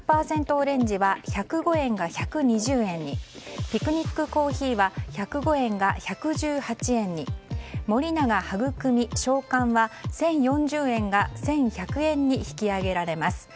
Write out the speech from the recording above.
オレンジは１０５円が１２０円にピクニックコーヒーは１０５円が１１８円に森永はぐくみ小缶は１０４０円が１１００円に引き上げられます。